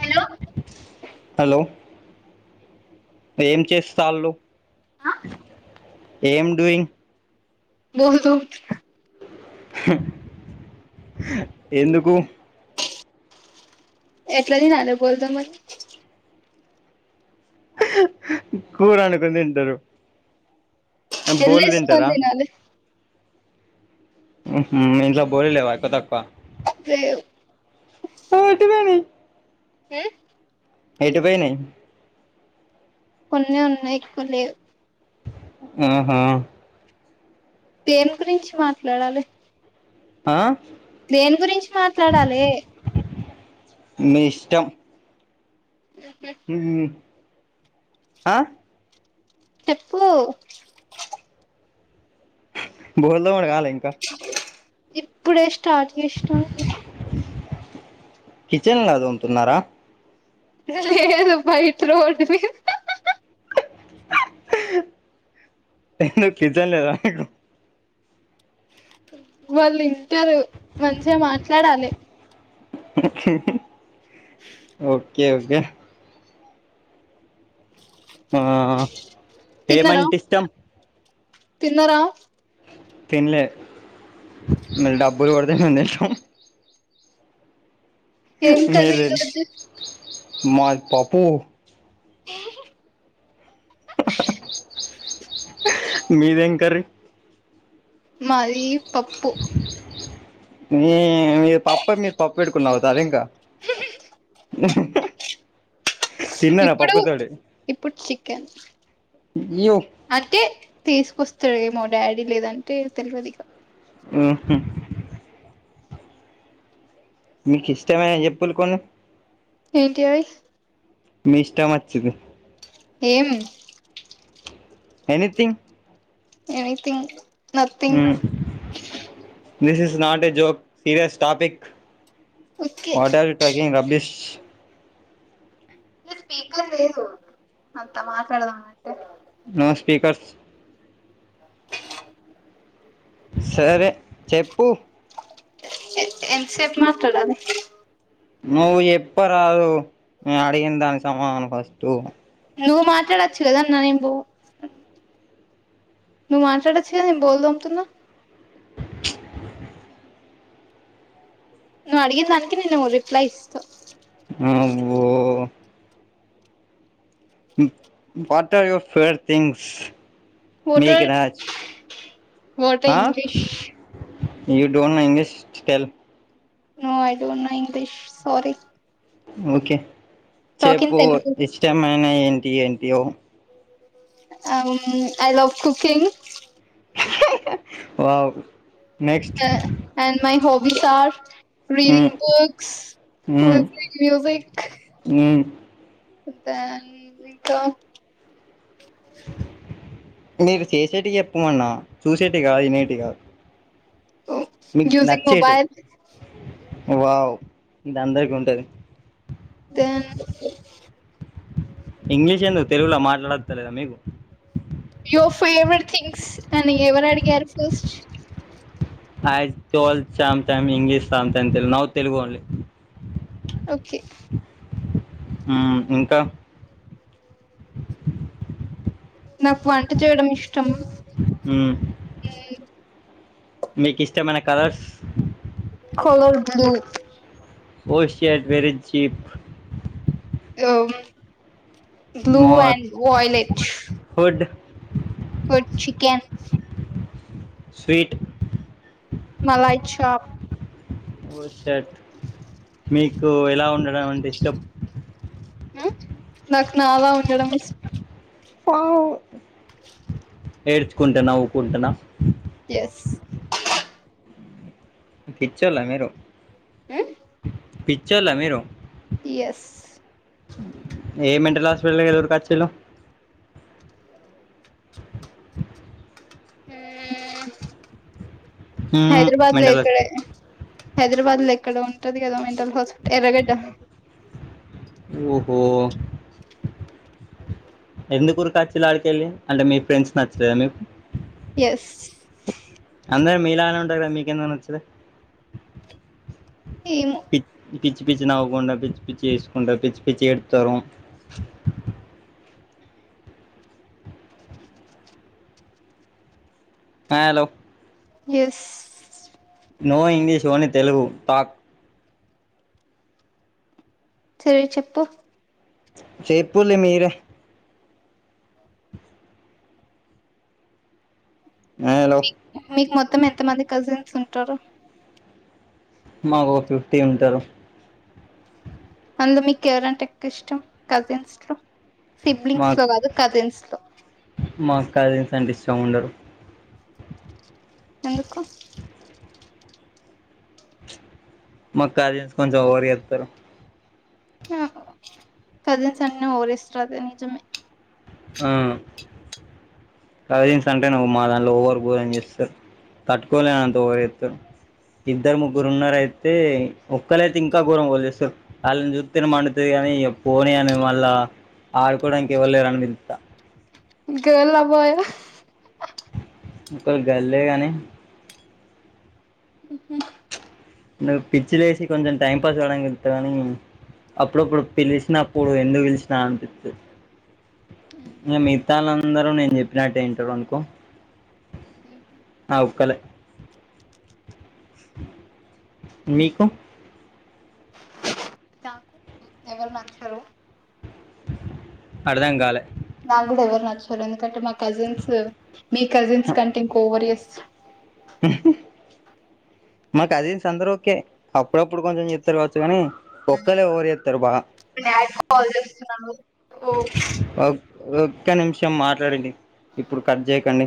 Hello hello ఏం చేస్తాళ్ళు ఏం డూయింగ్ బోర్లు తోముతున్న ఎందుకు ఎట్లాదినాద బోల్దు మరి కూర వండుకుని తింటారు బోర్లు జల్లేసుకొని తింటారా తినాలి మ్మ్ ఇంట్లో బోర్లు లెవా ఎక్కువ తక్కువ లేవ్ తోటిబోయి మ్మ్ ఏటు పొయిని కొన్ని ఉన్నాయి ఎక్కువ లేవ్ ఆహా దేని గురించి మాట్లాడాలి ఆ దేని గురించి మాట్లాడాలి మీ ఇష్టం హు ఆ చెప్పు బోల్దు బడగాలి ఇంకా ఇప్పుడే స్టార్ట్ చేస్న కిచెన్ లో తింటున్నారా బయట రోడ్డు మీద కిచెన్ ల [unintelligible] వాళ్ళు ఇంటారు మంచిగా మాట్లాడాలి ఓకే ఓకే ఆ ఏమంటె ఇష్టం తిన్నార తిన్లే మీరు డబ్బులు కొడితే మేం తింటాం ఏం కర్రీ మీరు ఈరోజు తీ మాది పపు ఏ మీదేం కర్రీ మాది పప్పు మీ మీ పప్ప మీరు పప్పు పెట్కునీ నావుతారు ఇంకా తిన్నార పప్పు తోటి ఒకే తీసుకొస్తాడు ఏమో డాడీ లేదంటే తెలియదు ఇక ఊ హ్మ్ మీకు ఇష్టమైనయి చెప్పులు కొన్ని ఏంటియి మీకు ఇస్తమచింది ఏం anything anything nothing this is not a joke serious topic okay what are you talking rubbish speaker లేదు అంత మాట్లాడదాం అంటే నో స్పీకర్స్ [inaudible] సరే చెప్పు ఎంతసేపు మాట్లాడాలి నువ్వు చెప్పరాదు నేను అడిగిన దానికి సమాదానం ఫస్ట్ నువ్వు మాట్లాడొచ్చు కదా అన్నా నువ్వు మాట్లాడచ్చ కదా నేను బోలు తోముతున్నా నువ్వు అడిగిన దానికి నేను రిప్లై ఇస్త హ్ అవ్వో what are your favourite things what మీకు ఆర్ రాజ్ what a English you don't know English tell no I డోట్ know English sorry okay talk in చెప్పు తెలుగు ఇష్టమైన ఏంటి ఏంటియో అ I love cooking wow next and my hobbies are hmm reading books hmm music మ్మ్ [unintelligible] మీరు చేసేటివి చెప్పమన్నా చూసేటివి కాదు వినేటి కాదు మీకు యూజింగ్ నచ్చేటివి మొబైల్ వావ్ ఇది అందరికి ఉంటాది ఇంగ్లీష్ ఎందుకు తెలుగులో మాట్లాడతలేదా మీకు యువర్ ఫేవరెట్ థింగ్స్ అని ఎవరు అడిగారు first I told some time English some time Telugu now Telugu only okay um ఇంకా నాకు వంట చేయడం ఇష్టం ఉమ్ మ్మ్ మీకు ఇష్టమైన colours colour blue oh shut very cheap oh blue more and violet [inaudible] food chicken sweet malai chop oh shirt మీకు ఎలా ఉండడం అంటే ఇష్టం ఉమ్ నాకు నాలా ఉండడం ఇస్ ఫా ఏడ్చుకుంట నవ్వుకుంటనా ఎస్ పిచ్చోల్లా మీరు ఉమ్ పిచోళ్ళ మీరు ఏ మెంటల్ హా పిచ్చోళ్ళ దగ్గర దొరకచ్చిళ్ళు అ ఉమ్ హ్మ్ హైదరాబాద్ లో మెంటల్ హాస్ ఇక్కడే హైదరాబాద్ లో ఎక్కడో ఉంటది కదా మెంటల్ హాస్పిటల్ ఎర్రగడ్డ ఓహో ఎందుకు ఉరకచ్చిల్లు ఆడికెళ్లి అంటే మీ ఫ్రెండ్స్ నచ్చలేదా మీకు ఎస్ అందరూ మీలానే ఉంటరు మీకు ఎందుకు నచ్చలే ఏమో పి పిచ్చి పిచ్చి నవ్వకుండా పిచ్చి పిచ్చి చేసుకుంటా పిచ్చి పిచ్చి ఏడుత్తారు hello yes no English only Telugu talk సరే చెప్పు చెప్పుల్లి మీరే హలో మీకు మొత్తం ఎంత మంది కజిన్స్ ఉంటారు మాకు ఒక ఫిఫ్టీ ఉంటారు అందులో మీకు ఎవరంటే ఎక్కువ ఇష్టం కజిన్స్ లో సిబ్లింగ్స్ లో కాదు కజిన్స్ లో మాకు కజిన్స్ అంటే ఇష్టం ఉండరు ఎందుకు మా కజిన్స్ కొంచెం ఓవర్ చేస్తారు ఆ కజిన్స్ అన్న ఓవర్ ఏ చేస్తారు అది నిజమే ఆ కజిన్స్ అంటే నువ్వు మా దాంట్లో ఓవరు గోరం చేస్తారు తట్టుకోలేనంత ఓవర్ చేస్తారు ఇద్దరు ముగ్గురు ఉన్నార అయితే ఒక్కళైతే ఇంకా గోరం చేస్తారు వాళ్ళని చూస్తేనే మండుతది కా నీ పోనీ అని మళ్ళా ఆడుకోవడానికి ఎవ్వరు లేరు అని పిలుస్తా గర్ల్ ఆ బాయ్ ఆ ఒకళ్ళు గర్ల్ ఏ కానీ నాకు పిచ్చి లేేసి కొంచెం టైం పాస్ కాడానికి పిలుస్తా కానీ అప్పుడప్పుడు పిలిచినా పోను ఎందుకు పిలిచినా అనిపిస్తది ఇ మిగతాలందరూ నేను చెప్పినట్టే ఇంటరనుకో ఆ ఓక్కలే మీకు నాకు ఎవరు నచ్చారు అర్థం కాలే నాకు కూడా ఎవరు నచ్చరు ఎందుకంటే మా కజిన్స్ మీ కజిన్స్ కంటే ఎక్కువ ఓవర్ చేస్ మా కజిన్స్ అందరు ఓకే అప్పుడప్పుడు కొంచెం చెత్తరు కావచ్చు కాని ఒక్కలే ఓవరు చేత్తర్ బాగా మా డాడీ కాల్ చేస్తున్నారు ఓ ఒక్క నిమిషం మాట్లాడండి ఇప్పుడు కట్ చేయకండి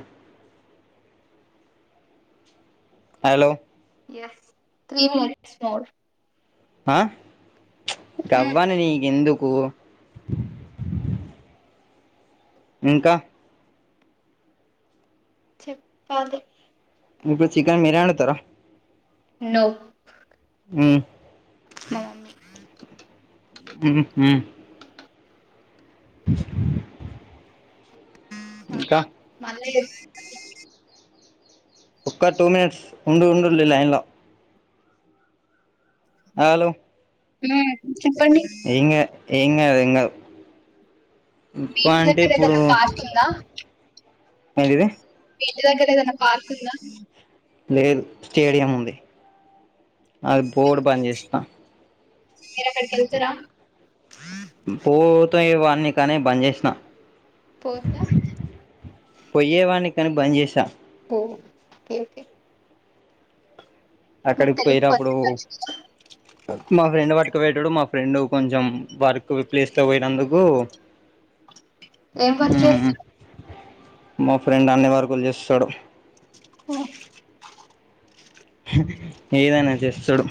హలో స్ త్రీ మనిట్స్ మోర్ ఆ గవ్వని నీకేందు కు ఇంకా చెప్పాలి ఇప్పుడు చికెన్ మీరే ఒండుతరా నో హ్మ్ మా మమ్మీ ఉహు అ మళ్ళీ చేస్ ఒక్క టూ మినిట్స్ ఉండి ఉండుడిల్లీ లైన్లో హలో హలో చెప్పండి ఎంగద్ ఎంగాద్ ఏకువ బీచ్ అంటే దగ్గర ఇప్పుడు ఏదైనా పార్క్ ఉందా ఏంటిది ఇంటిదగ్గర ఏదన్న పార్క్ ఉందా లేదు స్టేడియం ఉంది అది పోడు బ్యాంజేస్తా మిరక్కడి కెల్తరా పోతయ వాన్నీ కానీ బంజేసిన పోత కాని బంద్ చేసా ఓ కే ఓకే మీకు అక్కడికి తెలుగు పోయినప్పుడు కొంచెం వచ్చు కదా మా ఫ్రెండ్ వాట్ పెట్టుడు మా ఫ్రెండ్ కొంచెం వర్క్ ప్లేస్ లో పోయినందుకు ఏం ఫర్ మ్ చేసడు మా ఫ్రెండ్ అన్ని వరకులు చేస్తాడు ఓ ఏదైనా చేస్తడు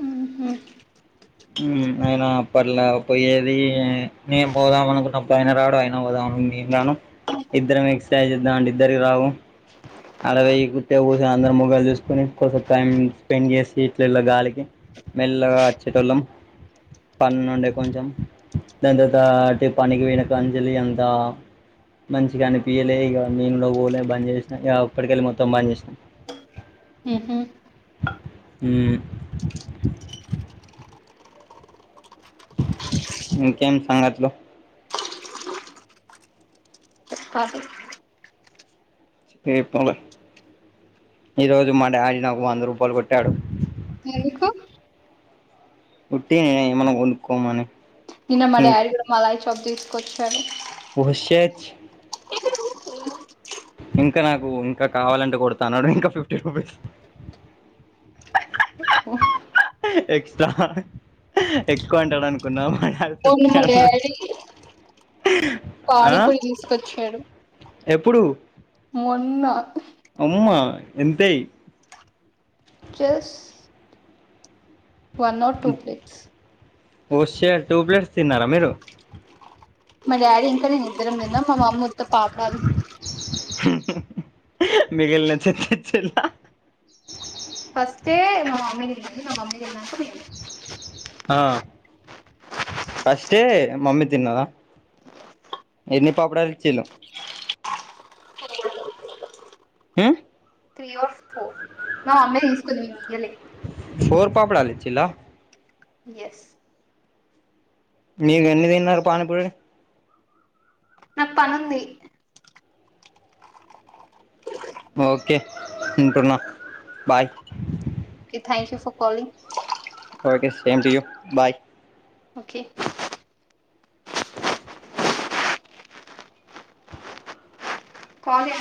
ఉహు అయినా అప్పట్లా పోయేది నేం పోదాం అనుకున్నప్పుడు ఆయిన రాడు అయిన పోదాం అన్న నే న్ రాను ఇద్దరం ఎక్ససైజ్ చేద్దాం అంటే ఇద్దరికి రావు అడవోయి ఉట్టిగా కూసోని అందరూ మోకాలు చూసుకోని కొసెప్ టైం స్పెండ్ చేసి ఇట్లిట్ల గాలికి మెల్లగా అచ్చటోల్లం పన్ నుండే కొంచెం దాని తర్వాత అ పనికి వోయినకంచెల్లి అంతా మంచిగానిపియలే ఇగ నేను కూడా పోలే బంద్ చేసిన ఇక అప్పటికళ్ళి మొత్తం బంద్ చేసినా ఆ ఉహు ఉమ్ ఇంకేం సంగతులు ప ఏ పవన్? ఈ రోజు మా డాడీ నాకు వంద రూపాయలు కొట్టాడు. ఎందుకు? ఉట్టిగనే ఏమన్నా కొనుక్కోమని నిన్న మా డాడీ కూడా మలాయి చాక్ తీసుకొచ్చారు. ఓహ్ షెట్ ఇంకా నాకు ఇంకా కావాలంటే కొడుతా అన్నడు, ఇంకా ఫిఫ్టీ రూపీస్ ఎక్స్ట్రా ఎక్కో అంటడు అనుకున్నాం. మా డాడీ మొన్న ఫిఫ్టీ మా ఎహ్ అన్నడు. డాడీ పానీపూరి తీసుకొచ్చాడు ఎప్పుడు? మొన్న అమ్మ ఎంతయి చస్ one or two plates oh షెట్ టూ పలేట్స్ తిన్నారా మీరు? మా డాడీ ఇంకా నేను ఇద్దరం తిన్నాం, మా మమ్మ ఉత్త పాపడాలు మిగిలినయ్ తెచ్చి ఇచ్చిల్ల ఫస్టె మా మమ్మీ తిన్నది, మా మమ్మీ తిన్నాక మేము తిన్నాం. ఆ ఫస్టే మమ్మీ తిన్నదా? ఎన్ని పాపడాలు ఇచ్చిల్లు [unintelligible] ఉమ్? త్రీ ఆర్ ఫోర్, మా మమ్మీ తీసుకుంది మేం ఇయ్యలే ఫోర్ పాపడాలు ఇచ్చిల్ల? ఎస్ నీకు ఎన్ని తిన్నరు పానీపూరీ? నాక్ పనుంది. ఓకే ఉంటున్నా bye. Okay thank you for calling. Okay same to, you bye. Okay call J